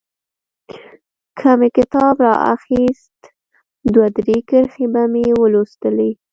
که مې کتاب رااخيست دوه درې کرښې به مې ولوستلې.